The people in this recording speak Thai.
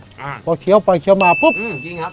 อ่าพอเคี้ยวไปเคี้ยวมาปุ๊บอืมจริงครับ